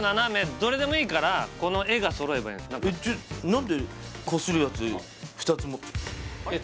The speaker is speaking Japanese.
どれでもいいからこの絵が揃えばいいんす何でこするやつ２つ持ってんの？